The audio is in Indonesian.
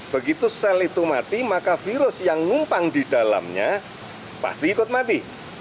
begitu sel itu mati maka virus yang ngumpang di dalamnya pasti ikut mati